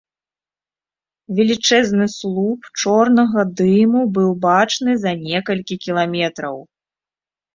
Велічэзны слуп чорнага дыму быў бачны за некалькі кіламетраў.